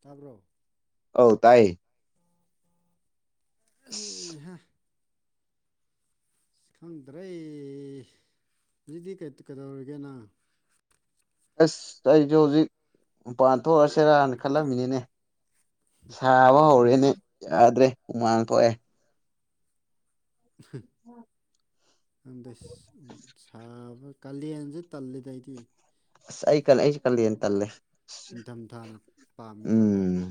ꯇꯥꯕ꯭ꯔꯣ ꯑꯧ ꯇꯥꯏꯌꯦ ꯑꯁ ꯎꯝ ꯍ ꯑꯁ ꯈꯪꯗ꯭ꯔꯦ ꯍꯧꯖꯤꯛꯗꯤ ꯀꯩꯗꯧꯔꯤꯒꯦꯅ ꯑꯁ ꯑꯩꯁꯨ ꯍꯧꯖꯤꯛ ꯃꯄꯥꯟ ꯊꯣꯛꯑꯁꯤꯔꯅ ꯈꯜꯂꯝꯃꯤꯅꯤꯅꯦ ꯁꯥꯕ ꯍꯧꯔꯦꯅꯦ ꯌꯥꯗ꯭ꯔꯦ ꯎꯨꯃꯥꯟ ꯊꯣꯛꯑꯦ ꯍ ꯑꯗ ꯁꯥꯕ ꯀꯥꯂꯦꯟꯁꯦ ꯇꯜꯂꯤꯗ ꯑꯩꯗꯤ ꯑꯁ ꯑꯩ ꯀꯜ ꯑꯩꯁꯨ ꯀꯜꯂ ꯌꯦꯟ ꯇꯂꯦ ꯅꯤꯡꯊꯝꯊꯥ ꯄꯥꯝꯃꯤꯗ ꯑꯩꯅꯤ ꯎꯝ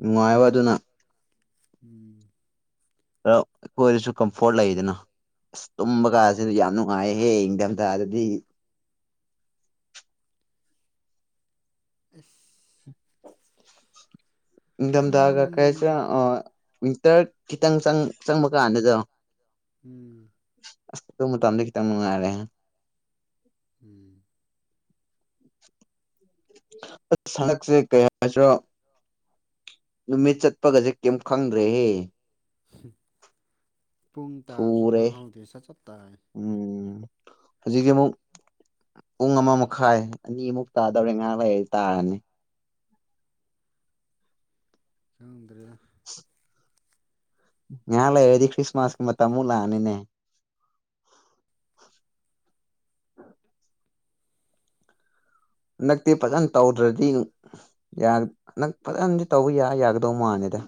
ꯅꯨꯡꯉꯥꯏꯕ ꯑꯗꯨꯅ ꯎꯝ ꯑ ꯑꯩꯈꯣꯏꯗꯁꯨ ꯀꯝꯐꯣꯔꯠ ꯂꯩꯗꯅ ꯑꯁ ꯇꯨꯝꯕ ꯎꯝ ꯀꯥꯁꯤꯅ ꯌꯥꯝꯅ ꯅꯨꯉꯥꯏꯌꯦ ꯏꯟꯗꯝꯗ ꯗꯗꯤ ꯑꯁ ꯏꯡꯗꯝ ꯗꯒ ꯀꯔꯁ ꯎꯝ ꯋꯤꯟꯇꯔ ꯈꯤꯇꯪꯪ ꯆꯪꯕ ꯀꯥꯟꯗ ꯎꯝ ꯑꯁꯨ ꯃꯇꯝꯗ ꯈꯤꯇꯪ ꯃꯉꯥꯏꯔꯦ ꯎꯝ ꯑ ꯁꯟꯗꯛꯁꯦ ꯀꯩ ꯍꯥꯏꯁꯤ꯭ꯔꯣ ꯅꯨꯃꯤꯠ ꯆꯠꯄꯒꯁꯦ ꯀꯩꯝ ꯈꯪꯗ꯭ꯔꯦꯍꯦ ꯄꯨꯡ ꯇꯥꯕꯁꯨ ꯊꯨꯔꯦ ꯈꯪꯍꯧꯗꯦ ꯁꯠ ꯆꯠ ꯇꯥꯏ ꯎꯝ ꯍꯧꯖꯤꯛꯀꯦ ꯑꯃꯨꯛ ꯄꯨꯡ ꯑꯃ ꯃꯈꯥꯏ ꯑꯅꯤꯃꯨꯛ ꯇꯥꯗꯧꯔꯦ ꯉꯥꯏꯍꯛ ꯂꯩꯔꯗꯤ ꯇꯥꯔꯅꯤ ꯈꯪꯗꯔꯦꯗꯥ ꯉꯥꯏꯍꯥꯛ ꯂꯩꯔꯗꯤ ꯀ꯭ꯔꯤꯁꯃꯥꯁ ꯃꯇꯝ ꯃꯨꯛ ꯂꯥꯛ ꯑꯥꯅꯤꯅꯦ [inaudible] ꯅꯛꯇꯤ ꯐꯖꯅ ꯇꯧꯗ꯭ꯔꯗꯤ ꯅꯪ ꯐꯖꯅꯗꯤ ꯇꯧꯕ ꯌꯥ ꯌꯥꯒꯗꯧ ꯃꯥꯜꯂꯦꯗ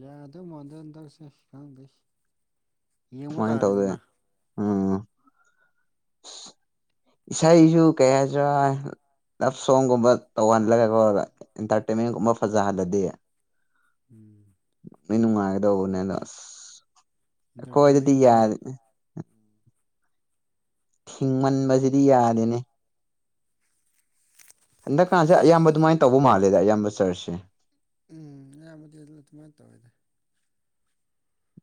ꯌꯥꯗꯧ ꯃꯥꯟꯗꯦ ꯇꯧꯁꯦ ꯈꯪꯗꯣꯏꯁ ꯁꯨꯃꯥꯏꯅ ꯇꯧꯗꯦ ꯎꯝ [inaudible] ꯏꯁꯩꯁꯨ ꯀꯩ ꯍꯥꯏꯗꯔ ꯂꯞ ꯁꯣꯡꯒꯨꯝꯕ ꯇꯧꯍꯜꯂꯒ ꯀꯧꯔꯒ ꯑꯦꯟꯇꯔꯇꯦꯟꯃꯦꯟꯒꯨꯝꯕ ꯐꯖꯍꯜꯂꯗꯤ ꯎꯝ ꯅꯣꯏ ꯅꯨꯡꯉꯥꯏꯒꯗꯧꯕꯅꯦ ꯑꯗꯣ ꯑꯁ ꯑꯩꯈꯣꯏꯗꯗꯤ ꯏꯟꯇꯔꯇꯦꯟꯃꯦꯟꯅꯤꯅꯦ ꯌꯥꯔꯦꯅꯦ ꯍꯤꯡꯃꯟꯕꯁꯤꯗꯤ ꯌꯥꯗꯦꯅꯦ ꯍꯟꯗꯛꯀꯥꯟꯁꯦ ꯑꯁ ꯑꯌꯥꯝꯕ ꯑꯗꯨꯃꯥꯏꯅ ꯇꯧꯕ ꯃꯥꯜꯂꯦꯗ ꯑꯌꯥꯝꯕ ꯆꯔꯁꯦ ꯎꯝ ꯑꯌꯥꯝꯕꯗꯤ ꯑꯗꯨꯅ ꯑꯗꯨꯃꯥꯏꯅ ꯇꯧꯋꯦꯗ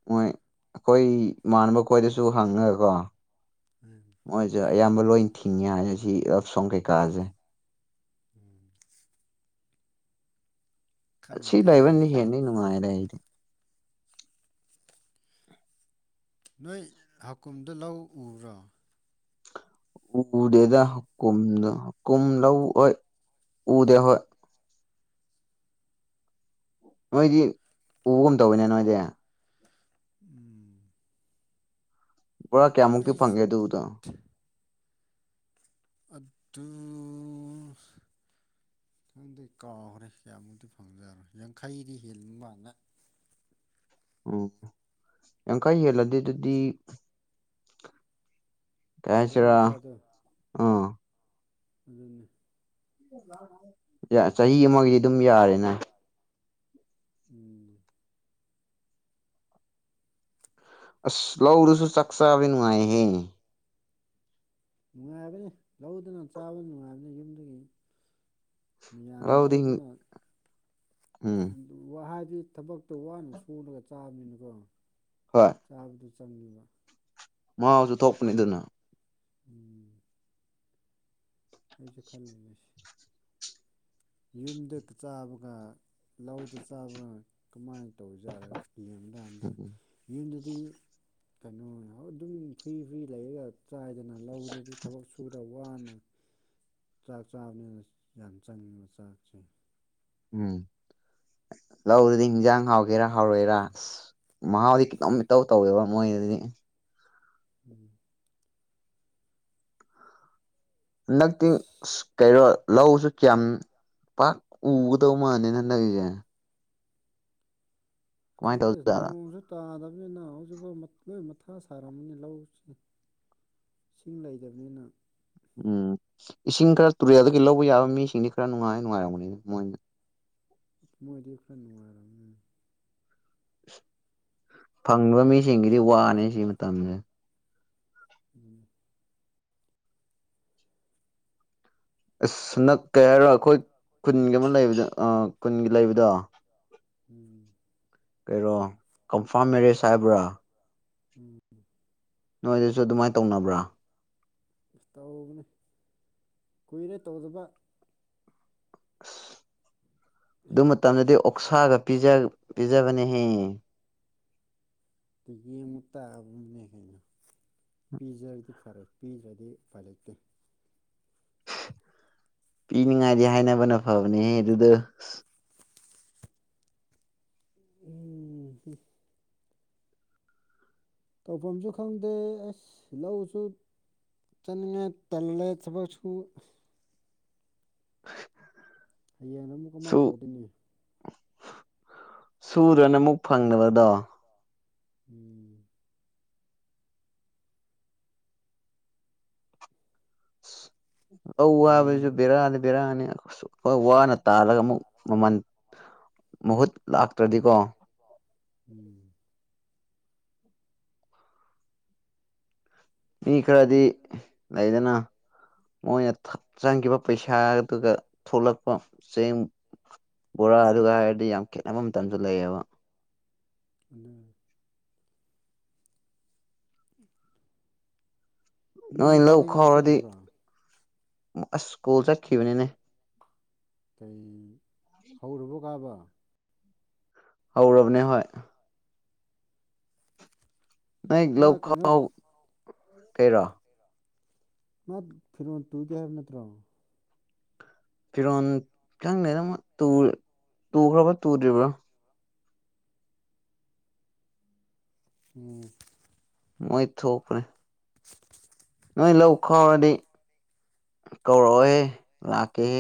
ꯃꯣꯏ ꯑꯩꯈꯣꯏ ꯏꯃꯅꯕ ꯈꯣꯏꯗꯁꯨ ꯍꯪꯉꯒꯀꯣ ꯎꯝ ꯃꯣꯏꯁꯦ ꯑꯌꯥꯝꯕ ꯂꯣꯏ ꯊꯤꯡꯉꯦ ꯁꯤ ꯂꯞ ꯁꯣꯡ ꯀꯩꯀꯥꯁꯦ ꯎꯝ ꯁꯤ ꯈꯪꯗꯦ ꯂꯥꯏꯕꯅꯤ ꯍꯦꯟꯅꯅꯤ ꯅꯨꯡꯉꯥꯏꯔꯦ ꯑꯩꯗꯤ [unintelligible] ꯅꯣꯏ ꯍꯀꯨꯝꯗ ꯂꯧ ꯎꯕ꯭ꯔꯣ ꯎꯗꯦꯗ ꯍꯀꯨꯝꯗ ꯍꯀꯨꯝ ꯂꯧ ꯍꯣꯏ ꯎꯔꯦ ꯍꯣꯏ ꯅꯣꯏꯗꯤ ꯎꯕꯒꯨꯝ ꯇꯧꯕꯅꯦ ꯅꯣꯏꯗꯤ ꯎꯝ ꯕꯣꯔꯥ ꯀꯌꯥꯃꯨꯛꯇꯤ ꯑꯩ ꯐꯪꯒꯦ ꯑꯗꯨꯗꯣ ꯑꯗꯨ ꯈꯪꯗꯦ ꯀꯥꯎꯈ꯭ꯔꯦ ꯀꯌꯥꯃꯨꯛꯇꯤ ꯐꯪꯖꯔꯣꯏ ꯌꯥꯡꯈꯩꯗꯤ ꯍꯦꯟꯕ ꯃꯥꯡꯅ ꯎꯝ ꯌꯥꯡꯈꯩ ꯍꯦꯜꯂꯗꯤ ꯑꯗꯨꯗꯤ ꯕꯣꯔꯥ ꯇꯁꯤꯔ ꯃꯆꯥꯗꯣ ꯑ ꯑꯗꯨꯅꯤ ꯆꯍꯤ ꯑꯃꯒꯤꯗꯤ ꯑꯗꯨꯝ ꯌꯥꯔꯦꯅꯦ ꯎꯝ ꯑꯁ ꯂꯧꯗꯁꯨ ꯆꯥꯛ ꯆꯥꯕ ꯅꯨꯡꯉꯥꯏꯍꯦ ꯅꯨꯡꯉꯥꯏꯕꯅꯤ ꯂꯧꯗꯅ ꯆꯥꯕ ꯅꯨꯡꯉꯥꯏꯕꯅꯤ ꯌꯨꯝꯗꯨꯒꯤ ꯃꯌꯥꯝ ꯂꯧꯗꯤ ꯂꯧꯗꯨꯅ ꯎꯝ ꯋꯥ ꯍꯥꯏꯗꯤ ꯊꯕꯛꯇ ꯋꯥꯅ ꯁꯨꯅꯒ ꯆꯥꯕꯃꯤꯅꯤꯅꯀꯣ ꯍꯣꯏ ꯆꯥꯕꯗꯨ ꯆꯪꯕ ꯃꯥꯁꯨ ꯊꯣꯛꯄꯅꯤ ꯑꯗꯨꯅ ꯎꯝ ꯑꯩꯁꯨ ꯈꯜꯂꯤꯕꯅꯤ ꯃꯁꯤꯁꯤ ꯌꯨꯝꯗ ꯆꯥꯕꯒ ꯂꯧꯗ ꯆꯥꯕꯒ ꯀꯃꯥꯏꯅ ꯇꯧꯖꯥꯠꯔꯒ ꯌꯦꯡ ꯀꯥꯟꯗ ꯎꯝ ꯌꯨꯝꯗꯗꯤ ꯀꯩꯅꯣ ꯑꯗꯨꯝ ꯐ꯭ꯔꯤ ꯐ꯭ꯔꯤ ꯂꯩꯔꯒ ꯆꯥꯏꯗꯅ ꯂꯧꯗꯗꯤ ꯊꯕꯛ ꯁꯨꯔ ꯋꯥꯅ ꯆꯥꯛ ꯆꯥꯕꯅꯤꯅ ꯌꯥꯝ ꯆꯪꯉꯕ ꯆꯥꯛꯁꯦ ꯎꯝ ꯂꯧꯗꯨꯗꯤ ꯍꯟꯖꯥꯡ ꯍꯥꯎꯒꯦꯔꯥ ꯍꯥꯎꯔꯣꯏꯔꯥ ꯑꯁ ꯃꯍꯥꯎꯗꯤ ꯈꯤꯇꯪꯇꯧ ꯇꯧꯋꯦꯕ ꯃꯣꯏꯗꯗꯤ ꯎꯝ ꯅꯛꯗꯤ ꯑꯁ ꯀꯔꯣ ꯂꯧꯁꯨ ꯀꯌꯥꯝ ꯄꯥꯛ ꯎꯒꯗꯧ ꯃꯥꯜꯅꯤ ꯍꯟꯗꯛꯒꯤꯁꯦ ꯀꯃꯥꯏꯅ ꯈꯪꯗꯦꯁ ꯇꯧꯖꯥꯠꯂ ꯅꯣꯡꯁꯨ ꯇꯥꯗꯕꯅꯤꯅ ꯍꯧꯖꯤꯛꯐꯥꯎ ꯅꯣꯏ ꯃꯊꯥ ꯁꯥꯔꯝꯃꯅꯤ ꯂꯧꯁꯤ ꯏꯁꯤꯡ ꯂꯩꯇꯕꯅꯤꯅ ꯎꯝ ꯏꯁꯤꯡ ꯈꯔ ꯇꯨꯔꯦꯜꯗꯒꯤ ꯂꯧꯕ ꯌꯥꯕ ꯃꯤꯁꯤꯡꯗꯤ ꯈꯔ ꯅꯨꯡꯉꯥꯏ ꯅꯨꯡꯉꯥꯏꯔꯝꯝꯕꯅꯤꯅ ꯃꯣꯏꯅ ꯃꯗꯤ ꯈ ꯅꯅꯨꯡꯔ ꯑꯃ ꯐꯪꯕ ꯃꯤꯁꯤꯡꯒꯤꯗꯤ ꯋꯥꯅꯤ ꯁꯤ ꯃꯇꯝꯁꯦ ꯎꯝ ꯑꯁ ꯅꯛ ꯀꯩ ꯍꯥꯏꯔꯣ ꯑꯩꯈꯣꯏ ꯀꯨꯟꯒꯤ ꯑꯃ ꯂꯩꯕꯗꯥ ꯀꯨꯟꯒꯤ ꯂꯩꯕꯗꯣ ꯎꯝ ꯀꯔꯣ ꯀꯝꯐꯥꯝ ꯃꯦꯔꯦꯖ ꯍꯥꯏꯕ꯭ꯔꯥ ꯎꯝ ꯅꯣꯏꯗꯁꯨ ꯑꯗꯨꯃꯥꯏꯅ ꯇꯧꯅꯕ꯭ꯔꯥ ꯇꯧꯕꯅꯤ ꯀꯨꯏꯔꯦ ꯇꯧꯗꯕ ꯑꯁ ꯑꯗꯨ ꯃꯇꯝꯗꯗꯤ ꯑꯣꯛꯁꯥꯒ ꯄꯤꯖꯕꯅꯦꯍꯦ ꯌꯦ ꯃ ꯇꯕ ꯀꯩꯅꯣ ꯄꯤꯖꯔꯗꯤ ꯐꯔꯦ ꯄꯤꯗ꯭ꯔꯗꯤ ꯎꯥꯏ ꯂꯩꯇꯦ ꯄꯤꯅꯤꯡꯉꯥꯏꯗꯤ ꯍꯥꯏꯅꯕꯅ ꯐꯕꯅꯦ ꯑꯗꯨꯗ ꯎꯝ ꯎꯝꯝ ꯇꯧꯐꯝꯁꯨ ꯈꯪꯗꯦ ꯑꯁ ꯂꯧꯎꯁꯨ ꯆꯟꯉ ꯇꯜꯂꯦ ꯁꯁꯨ [unintelligible] ꯍꯌꯦꯡ ꯑꯃꯨꯛ ꯀꯃꯥꯏꯅ ꯇꯧꯗꯣꯏꯅꯤ ꯁꯨꯗꯅ ꯑꯃꯨꯛ ꯐꯪꯕꯗꯣ ꯎꯝ ꯑꯧ ꯍꯌꯦꯡ ꯋꯥꯕꯁꯨ ꯕꯤꯦꯔꯛꯑꯗꯤ ꯕꯤꯔꯛꯑꯅꯤ ꯀꯁꯨ ꯍꯣꯏ ꯋꯥꯅ ꯇꯥꯜꯂꯒ ꯑꯃꯨꯛ ꯃꯃꯜ ꯃꯍꯨꯠ ꯂꯥꯛꯇ꯭ꯔꯗꯤꯀꯣ ꯎꯝ ꯃꯤ ꯈꯔꯗꯤ ꯂꯩꯗꯅ ꯃꯣꯏꯅ ꯆꯪꯈꯤꯕ ꯄꯩꯁꯥꯗꯨꯒ ꯊꯣꯛꯂꯛꯄ ꯆꯦꯡ ꯕꯣꯔꯥ ꯑꯗꯨꯒ ꯍꯥꯏꯔꯗꯤ ꯌꯥꯝ ꯈꯦꯠꯅꯕꯝꯇꯁꯨ ꯂꯩꯑꯕ ꯑ ꯎ ꯅꯣꯏ ꯂꯧ ꯈꯥꯎꯔꯗꯤ ꯆꯠꯈꯤꯕ꯭ꯔꯣ ꯑꯁ ꯁ꯭ꯀꯣꯜ ꯆꯠꯈꯤꯕꯅꯤꯅꯦ ꯀꯩ ꯍꯧꯔꯨꯕ ꯀꯥꯕ ꯍꯧꯔꯕꯅꯦ ꯍꯣꯏ ꯃꯥ ꯅꯣꯏꯒ꯭ꯂꯞ ꯀꯩꯅꯣ ꯈꯥꯎ ꯀꯩꯔꯣ ꯃꯥ ꯐꯤꯔꯣꯟꯜ ꯇꯨꯗꯦ ꯍꯥꯏꯕ ꯅꯠꯇ꯭ꯔꯣ ꯐꯤꯔꯣꯟꯜ ꯈꯤꯇꯪꯅꯦꯅ ꯇꯨꯈ꯭ꯔꯕ꯭ꯔ ꯇꯨꯗ꯭ꯔꯤꯕ꯭ꯔꯣ ꯎꯝ ꯃꯣꯏ ꯊꯣꯛꯎꯄꯔꯦ ꯅꯣꯏ ꯂꯧ ꯈꯥꯎꯔꯗꯤ ꯀꯧꯔꯛꯑꯣꯍꯦ ꯂꯥꯛꯀꯦꯍꯦ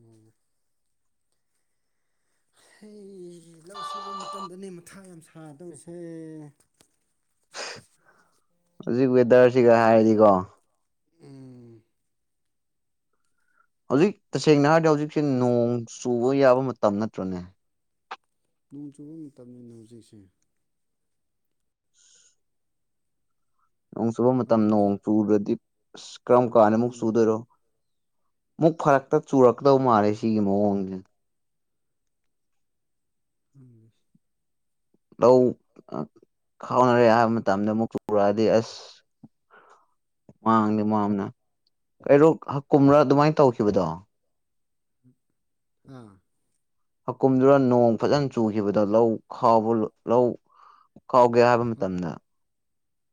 ꯎꯝ ꯍꯩ ꯂꯧ ꯁꯨꯕ ꯃꯇꯝꯗꯅꯦ ꯃꯊꯥ ꯌꯥꯝ ꯁꯥꯗꯧꯔꯤꯁꯦ ꯍꯧꯖꯤꯛ ꯋꯦꯗꯔꯁꯤꯒ ꯍꯥꯏꯔꯗꯤꯀꯣ ꯎꯝ ꯍꯧꯖꯤꯛ ꯇꯁꯦꯡꯅ ꯍꯥꯏꯔꯗꯤ ꯍꯧꯖꯤꯛꯁꯦ ꯅꯣꯡ ꯆꯨꯕ ꯌꯥꯕ ꯃꯇꯝ ꯅꯠꯇ꯭ꯔꯅꯦ ꯅꯣꯡ ꯆꯨꯕ ꯃꯇꯝꯅꯤꯅ ꯍꯧꯖꯤꯛꯁꯦ ꯅꯣꯡ ꯆꯨꯕ ꯃꯇꯝ ꯈꯪꯗꯦ ꯅꯣꯡ ꯍꯧꯖꯤꯛ ꯆꯨꯨꯗ꯭ꯔꯗꯤ ꯑꯁ ꯀꯔꯝ ꯀꯥꯟꯗ ꯑꯃꯨꯛ ꯆꯨꯗꯕꯒꯤꯅꯤꯅꯦ ꯆꯨꯗ‌ꯣꯏꯔꯣ ꯃꯨꯛ ꯐꯔꯛꯇ ꯆꯨꯔꯛꯀꯗꯧ ꯃꯥꯜꯂꯦ ꯁꯤꯒꯤ ꯃꯑꯣꯡꯁꯦ ꯎꯝ ꯑꯁ ꯂꯧ ꯈꯥꯎꯅꯔꯦ ꯍꯥꯏꯕ ꯃꯇꯝꯗ ꯑꯃꯨꯛ ꯆꯨꯔꯛꯑꯗꯤ ꯑꯁ ꯃꯥꯡꯗꯤ ꯃꯥꯡꯕꯅ ꯍꯩꯔꯣꯛ ꯍꯀꯨꯝꯂꯥ ꯑꯗꯨꯃꯥꯏꯅ ꯇꯧꯈꯤꯕꯗꯣ ꯍꯥꯥ ꯍꯥꯀꯨꯝꯗꯨꯔ‌ꯣ ꯅꯣꯡ ꯐꯖꯅ ꯆꯨꯈꯤꯕꯗ‌ꯣ ꯂꯧ ꯈꯥꯎꯕ ꯂꯧ ꯈꯥꯎꯒꯦ ꯍꯥꯏꯕ ꯍꯛ ꯃꯇꯝꯗ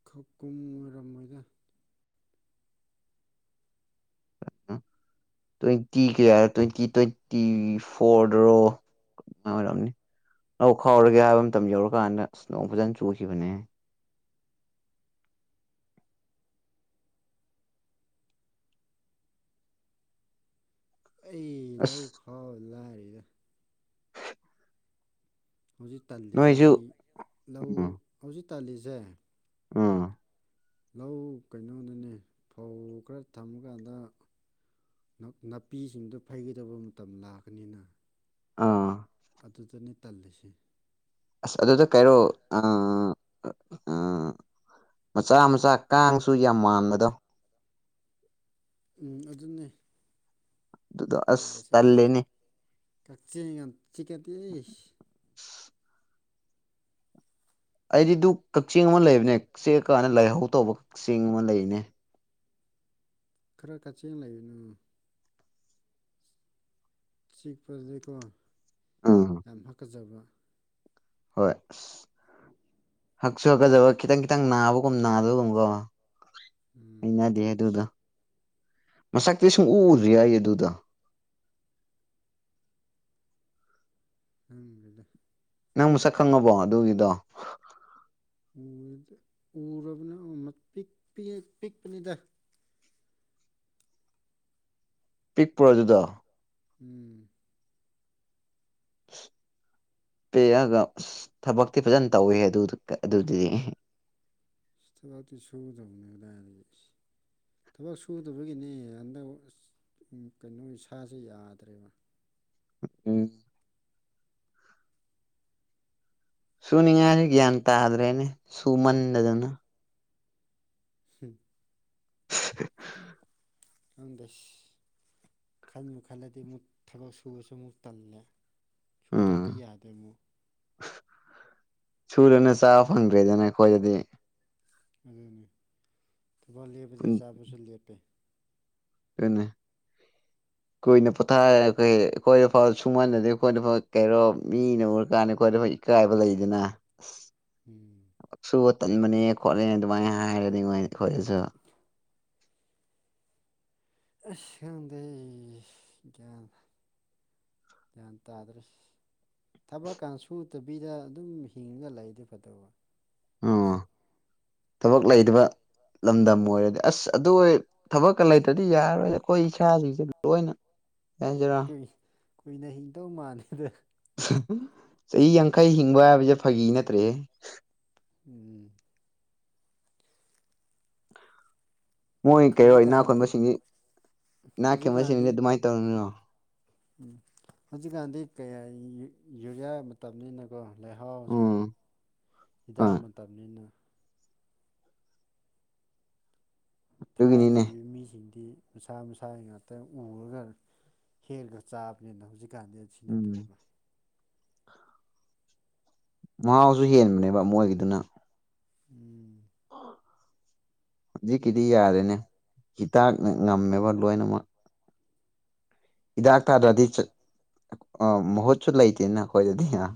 ꯈꯛꯀꯨꯝ ꯑꯣꯏꯔꯝꯃꯣꯏꯗ ꯎ ꯇ꯭ꯋꯦꯟꯇꯤ ꯀꯌꯥ ꯇ꯭ꯋꯦꯟꯇꯤ ꯇ꯭ꯋꯦꯟꯇꯤ ꯐꯣꯔꯗꯔꯣ ꯑꯣꯏꯔꯝꯅꯤ ꯂꯧ ꯈꯥꯎꯔꯒꯦ ꯍꯥꯏꯕ ꯃꯇꯝ ꯌꯧꯔꯀꯥꯟꯗ ꯑꯁ ꯅ‌ꯣꯡ ꯐꯖꯅ ꯆꯨꯈꯤꯕꯅꯦꯍ‌ꯦ ꯑꯩ ꯑꯁ ꯂꯧ ꯈꯥꯎꯕ ꯂꯥꯏꯔꯤꯗ ꯍꯧꯖꯤꯛ ꯇꯜꯂꯤꯖ‌ꯦ ꯅꯣꯏꯁꯨ ꯑꯩ ꯂꯧ ꯍꯧꯖꯤꯛ ꯇꯜꯂꯤꯖ‌ꯦ ꯑꯥ ꯂꯧ ꯀꯩꯅꯣꯅꯅꯦ ꯐꯧ ꯈꯔ ꯊꯝꯃꯀꯥꯟꯗ ꯅ ꯅꯥꯄꯤꯁꯤꯡꯗꯣ ꯐꯩꯒꯗꯕ ꯃꯇꯝ ꯂꯥꯛꯀꯅꯤꯅ ꯑꯥ ꯑꯗꯨꯗꯅꯦ ꯇꯜꯂꯤꯁ‌ꯦ ꯑꯁ ꯑꯗꯨꯗ ꯀꯥꯏꯔꯣ ꯑꯥ ꯑꯥ ꯃꯆꯥ ꯃꯆꯥ ꯀꯥꯡꯁꯨ ꯌꯥꯝ ꯃꯥꯟꯕꯗꯣ ꯎꯝ ꯑꯗꯨꯅꯦ ꯑꯗꯨꯗꯣ ꯑꯁ ꯇꯜꯂ‌ꯦꯁꯦ ꯇꯜꯂꯦꯅꯦ ꯀꯛꯆ‌ꯦꯡ ꯌꯥꯝ ꯆꯤꯛꯒꯗꯤ ꯑꯩꯗꯤ ꯗꯨ ꯀꯛꯆ‌ꯦꯡ ꯑꯃ ꯂꯩꯕꯅꯦ ꯀ ꯆꯤꯛꯑꯀꯥꯟꯗ ꯂꯥꯏꯍꯧ ꯇꯧꯕ ꯀꯛꯆ‌ꯦꯡ ꯑꯃ ꯂꯩꯕꯅꯦ ꯈꯔ ꯀꯛꯆꯦꯜ ꯂꯩꯕꯅꯨ ꯆꯤꯛꯄꯗꯒꯤꯀꯣ ꯎꯝ ꯌꯥꯝ ꯍꯥꯀꯠꯆꯕ ꯍꯣꯏ ꯑꯁ ꯍꯛꯁꯨ ꯍꯛꯀꯠꯖꯕ ꯈꯤꯇꯪ ꯈꯤꯇꯪ ꯅꯥꯕꯒꯨꯝ ꯅꯥꯗꯕꯒꯨꯝꯀꯣ ꯎꯝ ꯍꯩꯅꯗꯦꯍ‌ꯦ ꯑꯗꯨꯗ‌ꯣ ꯃꯁꯛꯇꯤ ꯁꯨꯡꯎ ꯎꯗ꯭ꯔꯤ ꯑꯩ ꯑꯗꯨꯗ‌ꯣ ꯈꯪꯗ꯭ꯔ‌ꯦꯗ ꯅꯪ ꯃꯁꯛ ꯈꯪꯉꯕꯣ ꯑꯗꯨꯒꯤꯗꯣ ꯎꯔ‌ꯦꯗ ꯎꯔꯕꯅ‌ꯦ ꯑꯃ ꯄꯤꯛ ꯄꯤꯛ ꯄꯤꯛꯄꯅ‌ꯦꯗ ꯄꯤꯛꯄ꯭ꯔꯣ ꯑꯗꯨꯗꯣ ꯎꯝ ꯄꯤꯛꯑꯒ ꯑꯁ ꯊꯕꯛꯇꯤ ꯐꯖꯅ ꯇꯧꯋꯦꯍ‌ꯦ ꯑꯗꯨ ꯑꯗꯨꯗꯤ ꯊꯕꯛꯇꯤ ꯁꯨꯗꯕꯅꯦ ꯑꯗꯥꯏꯗꯒꯤ ꯊꯕꯛ ꯁꯨꯗꯕꯒꯤꯅꯦ ꯍꯟꯗꯛ ꯑꯁ ꯀꯩꯅꯣ ꯏꯁꯥꯁꯦ ꯌꯥꯗ꯭ꯔꯦꯕ ꯎꯝ ꯁꯨꯅꯤꯡꯉꯥꯏ ꯒ꯭ꯌꯥꯟ ꯇꯥꯗ꯭ꯔꯦꯅꯦ ꯁꯨꯃꯟꯗꯗꯅ ꯍꯝ [unintelligible] ꯑꯟꯗꯁ ꯈꯟꯕꯨ ꯈꯜꯂꯗꯤ ꯑꯃꯨꯛ ꯊꯕꯛ ꯁꯨꯨꯕꯁꯨ ꯑꯃꯨꯛ ꯇꯜꯂꯦ ꯁꯨꯗ꯭ꯔꯗꯤ ꯎꯝ ꯌꯥꯗꯦ ꯃꯨꯛ ꯁꯨꯗꯅ ꯆꯥꯕ ꯐꯪꯗ꯭ꯔꯦꯗꯅ ꯑꯩꯈꯣꯏꯗꯗꯤ ꯑꯗꯨꯅꯤ ꯊꯕꯛ ꯂꯦꯞꯕꯗꯤ ꯆꯥꯕꯁꯨ ꯂꯦꯞꯄꯦ ꯗꯨꯅ‌ꯦ [inaudible] ꯀꯨꯏꯅ ꯄꯣꯊꯥꯔꯒ ꯑꯩꯈꯣꯏꯗ ꯐꯥꯎ ꯁꯨꯃꯟꯟꯅꯗꯦ ꯑꯩꯈꯣꯏꯗ ꯐꯥꯎ ꯀꯩꯔꯣ ꯃꯤꯅ ꯎꯔꯀꯥꯟꯗ ꯑꯩꯈꯣꯏꯗ ꯐꯩ ꯀꯥꯏꯕ ꯂꯩꯗꯅ ꯎꯝ ꯁꯨ ꯇꯟꯕꯅꯦ ꯈꯣꯠꯂꯅꯦ ꯑꯗꯨꯃꯥꯏꯅ ꯍꯥꯏꯔꯅꯤ ꯃꯣꯏ ꯑꯩꯈꯣꯏꯗꯁꯨ ꯢꯁ ꯈꯪꯗꯦ ꯒ꯭ꯌꯥꯟ ꯇꯥꯗ꯭ꯔꯦ ꯊꯕꯛꯀ ꯁꯨꯗꯕꯤꯗ ꯑꯗꯨꯝ ꯍꯤꯡꯉ ꯂꯩ ꯑꯗꯨ ꯐꯗꯧꯕ ꯑꯣ ꯊꯕꯛ ꯂꯩꯇꯕ ꯂꯝꯗꯝ ꯑꯣꯏꯔꯗꯤ ꯑꯁ ꯑꯗꯨ ꯑꯣꯏ ꯊꯕꯛꯀ ꯂꯩꯇ꯭ꯔꯗꯤ ꯌꯥꯔꯣꯏ ꯑꯩꯈꯣꯏ ꯏꯁꯥꯁꯤꯡꯁꯦ ꯂꯣꯏꯅ ꯍꯥꯏꯖꯔ ꯀꯨꯏ ꯀꯨꯏꯅ ꯍꯤꯡꯗꯧ ꯃꯥꯜꯂꯦꯗ ꯆꯍꯤ ꯌꯥꯡꯈꯩ ꯍꯤꯡꯕ ꯍꯥꯏꯕꯁꯦ ꯐꯥꯒꯤ ꯅꯠꯇ꯭ꯔꯦ ꯎꯝ ꯃꯣꯏ ꯀꯩꯔꯣ ꯏꯅꯥꯛ ꯍꯧꯖꯤꯛꯀꯥꯟꯗꯤ ꯈꯣꯟꯕꯁꯤꯡꯒꯤ ꯏꯅꯥꯛ ꯈꯦꯝꯕꯁꯤꯡꯅꯤ ꯍꯧꯖꯤꯛꯀꯥꯟꯗꯤ ꯑꯗꯨꯃꯥꯏꯅ ꯇꯧꯔꯅꯤꯉꯣ ꯎꯝ ꯍꯧꯖꯤꯛꯀꯥꯟꯗꯤ ꯀꯌꯥ ꯌꯨꯔꯤꯌꯥ ꯃꯇꯝꯅꯤꯅ ꯀꯣ ꯂꯩꯍꯥꯎꯁꯦ ꯎꯝ ꯍꯤꯗꯥꯛ ꯍꯣꯏ ꯃꯇꯝꯅꯤꯅ ꯑꯗꯨꯒꯤꯅꯤꯅꯦ ꯊꯥꯏꯅꯈꯤꯕ ꯃꯤꯁꯤꯡꯗꯤ ꯃꯁꯥ ꯃꯁꯥ ꯉꯥꯛꯇꯪ ꯎꯔꯒ ꯍꯦꯜꯂꯒ ꯆꯥꯕꯅꯤꯅ ꯍꯧꯖꯤꯛꯀꯥꯟꯗꯤ ꯁꯤ ꯎꯝ ꯅꯠꯇ꯭ꯔꯦꯕ ꯃꯍꯥꯎꯁꯨ ꯍꯦꯟꯕꯅꯦꯕ ꯃꯣꯢꯒꯤꯗꯨꯅ ꯎꯝ ꯍꯧꯖꯤꯛꯀꯤꯗꯤ ꯌꯥꯔꯦꯅꯦ ꯍꯤꯗꯥꯛꯅ ꯉꯝꯃꯦꯕ ꯂꯣꯏꯅꯃꯛ ꯍꯤꯗꯥꯛ ꯇꯥꯗ꯭ꯔꯗꯤ ꯃꯍꯨꯠꯁꯨ ꯂꯩꯇꯦꯅ ꯑꯩꯈꯣꯏꯗꯗꯤ ꯑ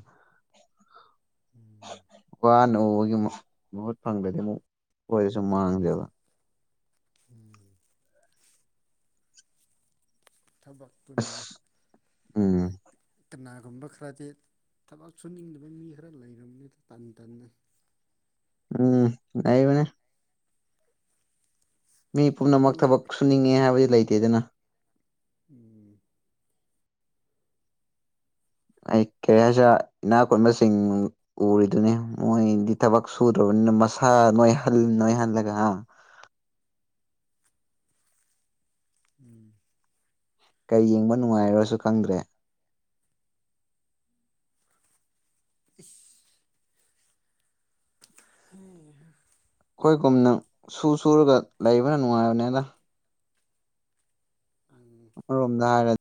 ꯎꯝ ꯋꯥꯅ ꯎꯕꯒꯤ ꯃꯍꯨꯠ ꯐꯪꯗ꯭ꯔꯗꯤ ꯑꯃꯨꯛ ꯀꯣꯏꯗꯁꯨꯨꯝ ꯃꯥꯡꯗꯦꯕ ꯎꯝ ꯊꯕꯛ ꯇꯨꯅꯅꯦ ꯎꯝ ꯀꯅꯥꯒꯨꯝꯕ ꯈꯔꯗꯤ ꯊꯕꯛ ꯁꯨꯅꯤꯡꯗꯕ ꯃꯤ ꯈꯔ ꯂꯩꯔꯕꯅꯤꯅ ꯇꯟ ꯇꯟꯅ ꯎꯝ ꯂꯩꯕꯅꯦ ꯃꯤ ꯄꯨꯝꯅꯃꯛ ꯃꯣꯏ ꯊꯕꯛ ꯁꯨꯅꯤꯡꯉꯦ ꯍꯥꯏꯕꯗꯤ ꯂꯩꯇꯦꯗꯅ ꯎꯝ ꯑꯩ ꯀꯔꯤ ꯍꯥꯏꯁꯤ ꯏꯅꯥꯛ ꯈꯨꯨꯟꯕꯁꯤꯡ ꯎꯔꯤꯗꯨꯅꯦ ꯃꯣꯏꯗꯤ ꯊꯕꯛ ꯁꯨꯗ꯭ꯔꯕꯅꯤꯅ ꯃꯁꯥ ꯅꯣꯏꯍꯜ ꯅꯣꯏꯍꯜꯂꯒ ꯍꯥ ꯎꯝ ꯀꯩ ꯌꯦꯡꯕ ꯅꯨꯡꯉꯥꯏꯔꯁꯨ ꯈꯪꯗ꯭ꯔꯦ ꯍꯝ [inaudible] ꯑꯩꯈꯣꯏꯒꯨꯝꯅ ꯁꯨ ꯁꯨꯔꯒ ꯂꯩꯕꯅ ꯅꯨꯡꯉꯥꯏꯕꯅꯦ ꯑꯗ ꯎꯝ ꯔꯣꯝꯗ ꯍꯥꯏꯔ